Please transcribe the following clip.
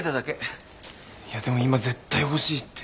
いやでも今「絶対欲しい」って。